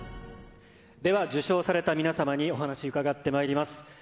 では受賞された皆様にお話伺ってまいります。